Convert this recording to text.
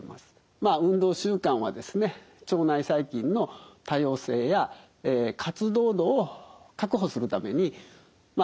まあ運動習慣はですね腸内細菌の多様性や活動度を確保するためにまあ